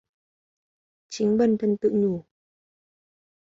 Chính bần thần tự nhủ